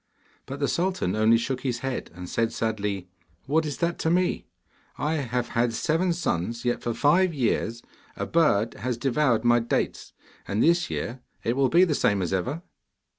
But the sultan only shook his head, and said sadly, 'What is that to me? I have had seven sons, yet for five years a bird has devoured my dates; and this year it will be the same as ever.